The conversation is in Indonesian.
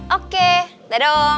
oke dadah om